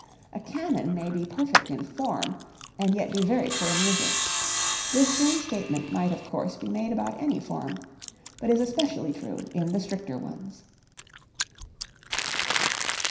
A canon may be perfect in form and yet be very poor music; this same statement might of course be made about any form, but is especially true in the stricter ones.